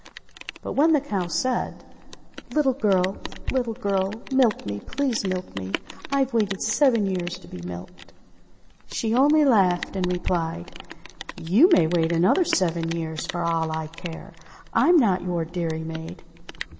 But when the cow said : "Little girl! Little girl! Milk me! Please milk me, Tve waited seven years to be milked ■" She only laughed and replied, "You may wait another seven years for all I care. I'm not your dairymaid